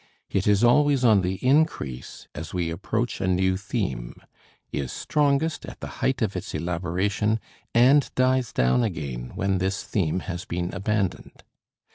It is always on the increase as we approach a new theme, is strongest at the height of its elaboration, and dies down again when this theme has been abandoned.